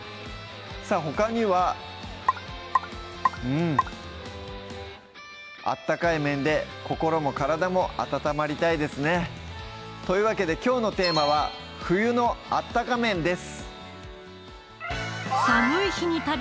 さぁほかにはうん温かい麺で心も体も温まりたいですねというわけできょうのテーマは「冬のあったか麺」です